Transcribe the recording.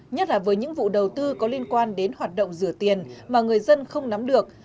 nhất là với những vụ đầu tư có liên quan đến hoạt động rửa tiền mà người dân không nắm được